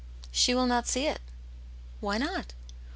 167 " She will not sec it." " Why not